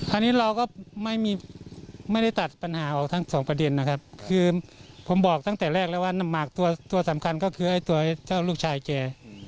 อันนี้เราก็ไม่ได้ตัดปัญหาออกทั้งสองประเด็นนะครับคือผมบอกตั้งแต่แรกแล้วว่าน้ำหมากตัวสำคัญก็คือไอ้ตัวเจ้าลูกชายแก